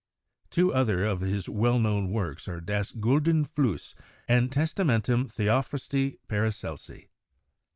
Two other of his well known works are 'Das guldin Fliiss' and 'Tes tamentum Theophrasti Paracelsi.'